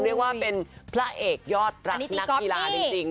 เรียกว่าเป็นพระเอกยอดรักนักกีฬาจริง